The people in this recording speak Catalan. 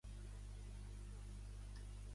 Llàtzer Moix és un periodista nascut a Sabadell.